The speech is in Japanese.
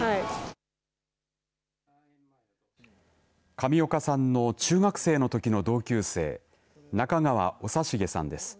上岡さんの中学生のときの同級生中川長重さんです。